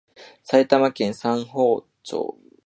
埼玉県三芳町